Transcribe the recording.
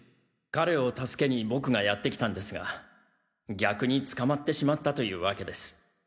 彼を助けに僕がやって来たんですが逆に捕まってしまったというわけです。